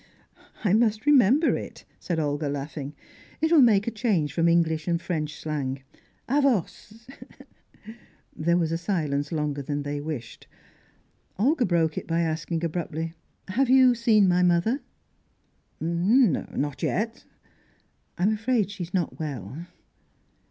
'" "I must remember it," said Olga, laughing. "It'll make a change from English and French slang Avos!" There was a silence longer than they wished. Olga broke it by asking abruptly: "Have you seen my mother?" "Not yet." "I'm afraid she's not well."